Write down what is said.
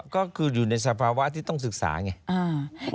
ก็คือยู่ในสภาวะที่ต้องศึกษาใช่มั้ย